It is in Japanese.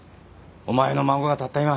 お前の孫がたった今。